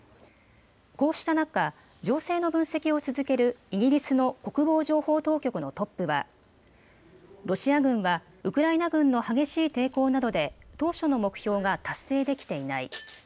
こうした中、情勢の分析を続けるイギリスの国防情報当局のトップはロシア軍はウクライナ軍の激しい抵抗などで当初の目標が達成できていない。